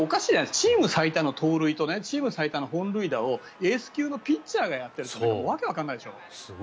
チーム最多の盗塁とチーム最多の本塁打をエース級のピッチャーがやっているのって訳がわかんないでしょう。